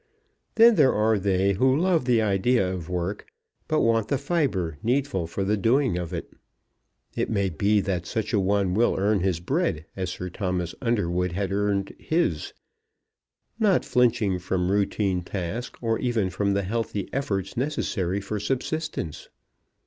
Then there are they who love the idea of work, but want the fibre needful for the doing it. It may be that such a one will earn his bread as Sir Thomas Underwood had earned his, not flinching from routine task or even from the healthy efforts necessary for subsistence.